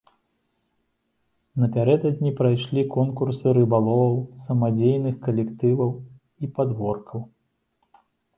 Напярэдадні прайшлі конкурсы рыбаловаў, самадзейных калектываў і падворкаў.